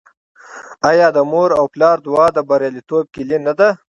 آیا د مور او پلار دعا د بریالیتوب کیلي نه ده؟